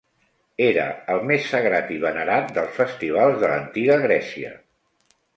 Era el més sagrat i venerat dels festivals de l'Antiga Grècia.